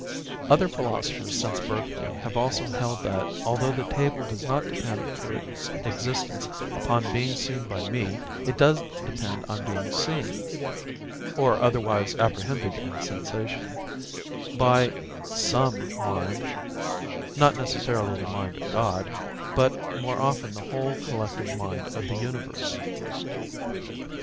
Other philosophers since Berkeley have also held that, although the table does not depend for its existence upon being seen by me, it does depend upon being seen (or otherwise apprehended in sensation) by some mind not necessarily the mind of God, but more often the whole collective mind of the universe.